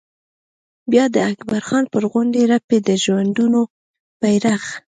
بیا د اکبر خان پر غونډۍ رپي د ژوندون بيرغ